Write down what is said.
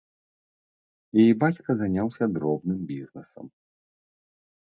І бацька заняўся дробным бізнэсам.